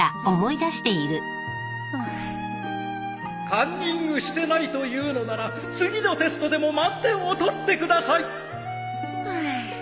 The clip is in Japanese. カンニングしてないと言うのなら次のテストでも満点を取ってくださいハア。